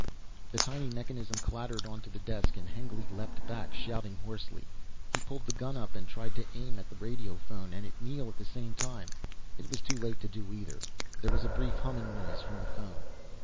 The tiny mechanism clattered onto the desk and Hengly leaped back, shouting hoarsely. He pulled the gun up and tried to aim at the radiophone and at Neel at the same time. It was too late to do either. There was a brief humming noise from the phone.